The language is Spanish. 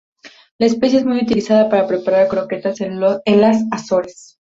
La especie es muy utilizada para preparar "croquetas" en las Azores.